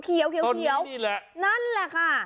เขียวนั่นแหละค่ะต้นไม้นี่แหละ